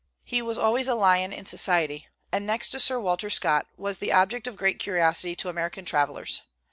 He was always a lion in society, and, next to Sir Walter Scott, was the object of greatest curiosity to American travellers.